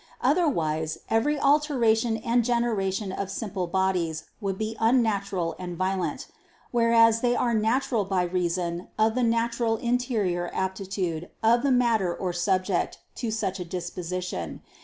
Otherwise every alteration and generation of simple bodies would be unnatural and violent: whereas they are natural by reason of the natural interior aptitude of the matter or subject to such a disposition.